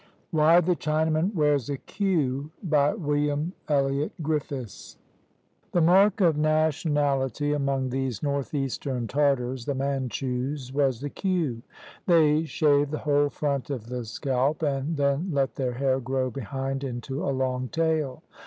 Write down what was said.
WHY THE CHINAMAN WEARS A QUEUE BY WILLIAM ELLIOT GRIFFIS The mark of nationality among these northeastern Tartars [the Manchus] was the queue. They shaved the whole front of the scalp and then let their hair grow behind into a long tail.